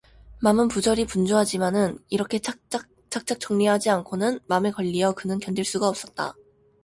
맘은 부절히 분주하지마는 이렇게 착착 정리하지 않고는 맘에 걸리어 그는 견딜 수가 없었다.